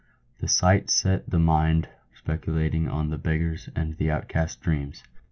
The sight set the mind speculating on the beggars' and the out casts' dreams.